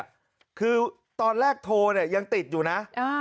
คือตอนแรกโทรเนี่ยยังติดอยู่นะ